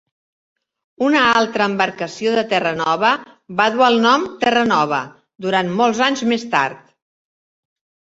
Una altra embarcació de Terranova va dur el nom "Terranova" durant molts anys més tard.